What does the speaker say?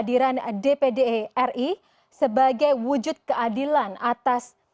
dan membawa semangat